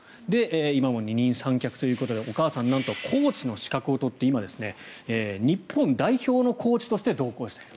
今も二人三脚ということでお母さんはなんとコーチの資格を取って今、日本代表のコーチとして同行していると。